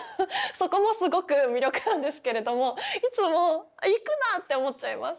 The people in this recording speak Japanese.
そこもすごく魅力なんですけれどもいつも「あ行くな！」って思っちゃいます。